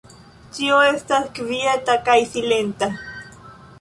Ĉio estas kvieta kaj silenta.